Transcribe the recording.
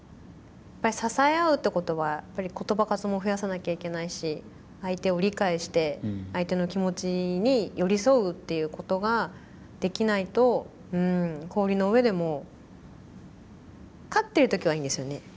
支え合うってことはやっぱり言葉数も増やさなきゃいけないし相手を理解して相手の気持ちに寄り添うっていうことができないと氷の上でも勝ってる時はいいんですよね